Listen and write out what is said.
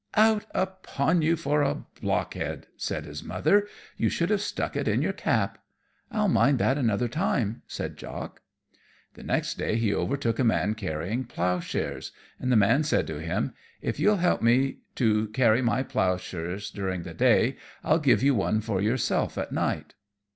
"Out upon you, for a blockhead," said his Mother, "you should have stuck it in your cap." "I'll mind that another time," said Jock. The next day he overtook a man carrying plough shares, and the man said to him, "If you'll help me to carry my plough shares during the day, I'll give you one for yourself at night."